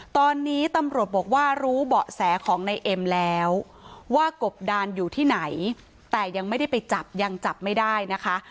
ตอนนี้ตำรวจบอกว่ารู้เบาะแสของในเอ็มแล้วว่ากบดานอยู่ที่ไหนแต่ยังไม่ได้ไปจับยังจับไม่ได้นะคะ